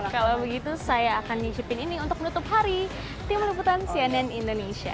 kalau begitu saya akan nyicipin ini untuk menutup hari tim liputan cnn indonesia